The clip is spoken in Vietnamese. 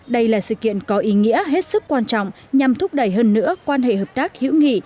đây là sự kiện có ý nghĩa hết sức quan trọng nhằm thúc đẩy hơn nữa quan hệ hợp tác hữu nghị